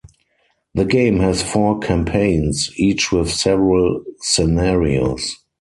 The game has four campaigns, each with several scenarios.